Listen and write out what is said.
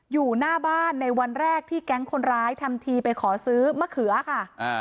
อยู่หน้าบ้านในวันแรกที่แก๊งคนร้ายทำทีไปขอซื้อมะเขือค่ะ